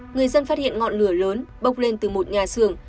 người dân phát hiện ngọn lửa lớn bốc lên từ một nhà xưởng